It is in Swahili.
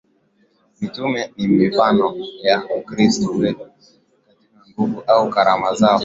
Mitume ni mifano ya Ukristo wetu katika nguvu au karama zao